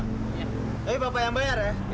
tapi bapak yang bayar ya